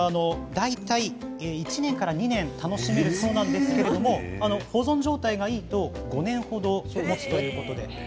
１年から２年楽しめるそうなんですけれど保存状態がいいと５年程楽しめるということです。